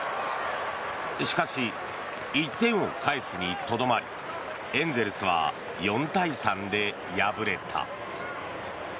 しかし、１点を返すにとどまりエンゼルスは４対３で敗れた。